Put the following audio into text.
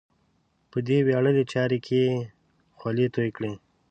په دې ویاړلې چارې کې یې خولې تویې کړې.